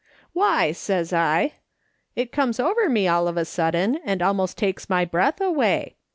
"' Why,' says I, ' it comes over me all of a sudden, and almost takes my breath away.